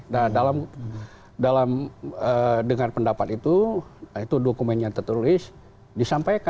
nah dalam dengan pendapat itu itu dokumen yang tertulis disampaikan